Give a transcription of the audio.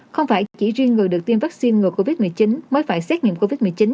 không phải chỉ riêng người được tiêm vaccine ngừa covid một mươi chín mới phải xét nghiệm covid một mươi chín